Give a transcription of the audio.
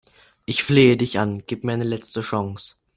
Ich flehe dich an, gib mir eine letzte Chance!